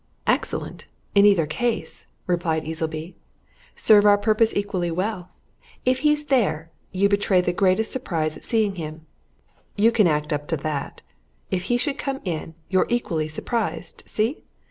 "Excellent! in either case," replied Easleby. "Serve our purpose equally well. If he's there, you betray the greatest surprise at seeing him you can act up to that. If he should come in, you're equally surprised see!